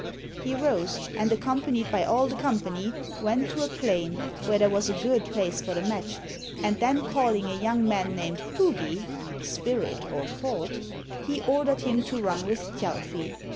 He rose and, accompanied by all the company, went to a plain where there was a good place for the match, and then calling a young man named Hugi (Spirit or Thought), he ordered him to run with Thjalfi.